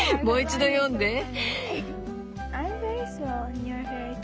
もう一度読んで。